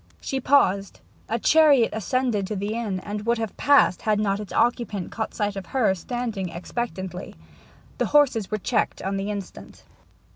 She paused; a chariot ascended to the inn, and would have passed had not its occupant caught sight of her standing expectantly. The horses were checked on the instant.